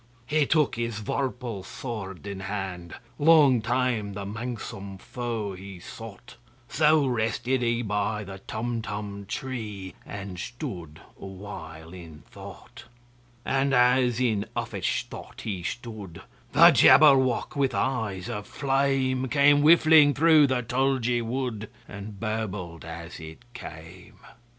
He took his vorpal sword in hand:Long time the manxome foe he sought—So rested he by the Tumtum tree, And stood awhile in thought. And as in uffish thought he stood, The Jabberwock, with eyes of flame, Came whiffling through the tulgey wood, And burbled as it came!